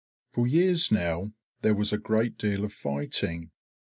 For years now there was a great deal of fighting.